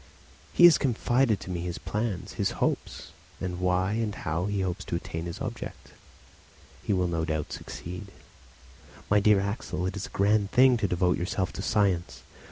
He has confided to me his plans, his hopes, and why and how he hopes to attain his object. He will no doubt succeed. My dear Axel, it is a grand thing to devote yourself to science!